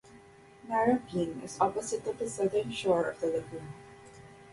Narrabeen is opposite on the southern shore of the lagoon.